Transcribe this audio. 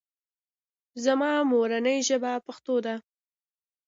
زما مورنۍ ژبه پښتو ده